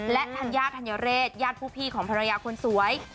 และธัญญาธัญเรศญาติผู้พี่ของภรรยาคนสวย